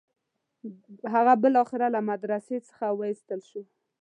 هغه بالاخره له مدرسې څخه وایستل شو.